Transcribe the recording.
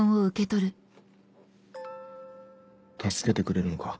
助けてくれるのか？